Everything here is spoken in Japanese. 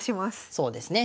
そうですね